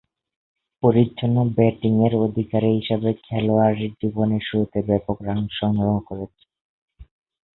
পরিচ্ছন্ন ব্যাটিংয়ের অধিকারী হিসেবে খেলোয়াড়ী জীবনের শুরুতে ব্যাপক রান সংগ্রহ করেন।